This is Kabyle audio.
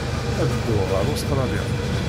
Ad dduɣ ɣer Ustṛalya.